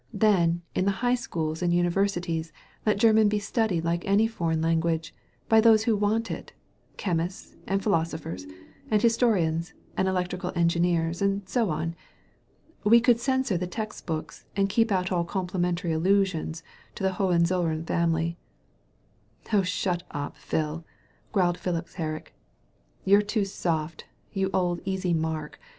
Then in the high schools and universi ties let German be studied like any other foreign language, by those who want it — chemists, and philosophers, and historians, and electrical engineers, and so on. We could censor the text books and keep out all complimentary allusions to the Hohen zoUern family.'* "Oh, shut up, Phil," growled Phipps Herrick. 146 THE HEARING EAR "You're too soft, you old easy mark!